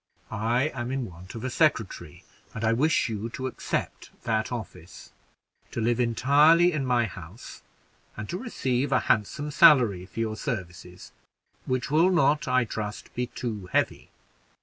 I am in want of a secretary, and I wish you to accept that office, to live entirely in my house, and to receive a handsome salary for your services, which will not, I trust, be too heavy.